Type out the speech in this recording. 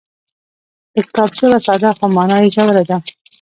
د کتاب ژبه ساده خو مانا یې ژوره ده.